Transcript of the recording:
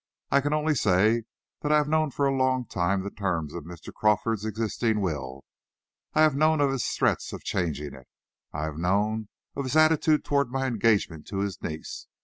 I can only say that I have known for a long time the terms of Mr. Crawford's existing will; I have known of his threats of changing it; I have known of his attitude toward my engagement to his niece.